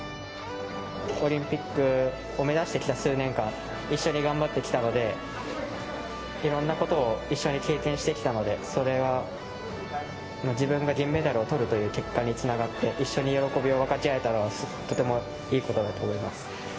オリンピックを目指してきた数年間、一緒に頑張ってきたので、いろんなことを一緒に経験してきたので、それが自分が銀メダルをとるという結果につながって、一緒に喜びを分かち合えたのはとてもいいことだと思います。